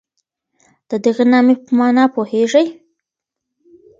د دغي نامې په مانا پوهېږئ؟